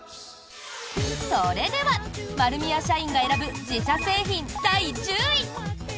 それでは丸美屋社員が選ぶ自社製品第１０位。